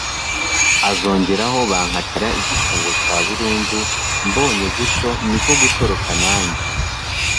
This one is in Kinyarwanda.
azongeraho bankatira igifungo cya burundu mbonye gutyo niko gutoroka nanjye